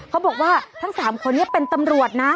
เขาบอกว่าทั้ง๓คนนี้เป็นตำรวจนะ